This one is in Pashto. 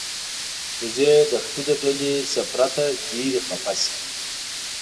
وزې له خپلې ډلې نه پرته ډېرې خپه شي